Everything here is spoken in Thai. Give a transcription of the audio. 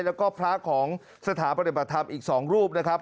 แล้วก็พระของสถาปฏิบัติธรรมอีก๒รูปนะครับ